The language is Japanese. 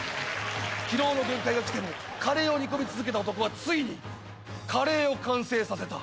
［疲労の限界がきてもカレーを煮込み続けた男はついにカレーを完成させた］